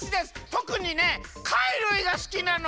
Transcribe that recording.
とくにねかいるいがすきなの。